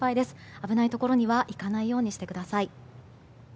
危ないところには行かないようにしてください。